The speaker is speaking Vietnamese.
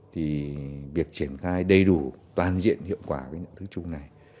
thì việc triển khai đầy đủ toàn diện hiệu quả cái nhận thức chung này